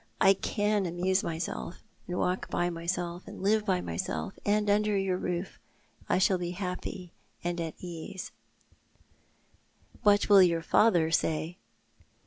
I can amuse myself, and walk by myself, and live by myself, and under your roof I shall be happy and at ease," " What will your father say